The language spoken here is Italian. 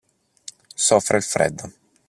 Soffre il freddo.